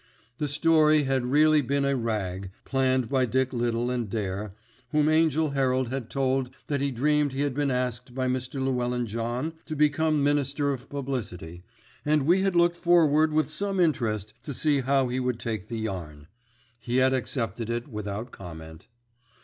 The story had really been a "rag" planned by Dick Little and Dare, whom Angell Herald had told that he dreamed he had been asked by Mr. Llewellyn John to become Minister of Publicity, and we had looked forward with some interest to see how he would take the yarn. He had accepted it, without comment.